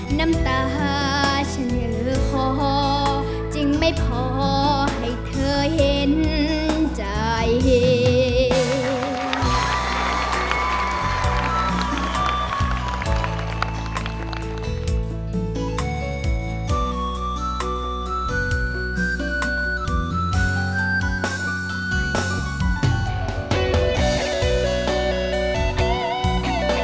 หน้าตาฉันเหงื่อขอจึงไม่พอให้เธอเห็นใจแบบนี้